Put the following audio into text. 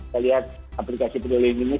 saya lihat aplikasi peduli lindungi